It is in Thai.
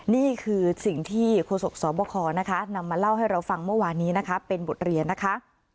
นี่คือสิ่งที่ครัวโสภสคโบขนำมาเล่าให้เราฟังเมื่อวานี้เป็นบทเรียนนะคะ